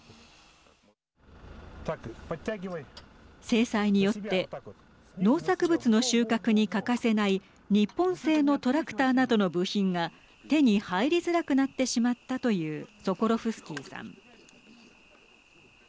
制裁によって農作物の収穫に欠かせない日本製のトラクターなどの部品が手に入りづらくなってしまったというソコロフスキーさん。